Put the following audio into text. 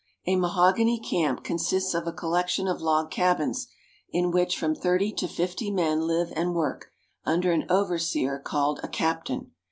A mahogany camp consists of a collection of log cabins, in which from thirty to fifty men live and work, under an overseer called a captain.